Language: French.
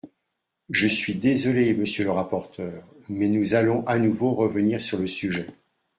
Je suis désolé, monsieur le rapporteur, mais nous allons à nouveau revenir sur le sujet.